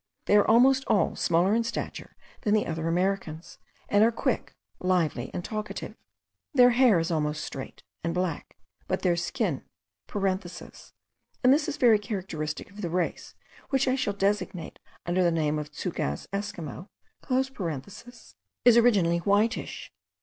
They are almost all smaller in stature than the other Americans, and are quick, lively, and talkative. Their hair is almost straight, and black; but their skin (and this is very characteristic of the race, which I shall designate under the name of Tschougaz Esquimaux) is originally whitish.